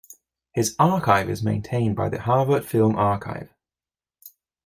His archive is maintained by the Harvard Film Archive.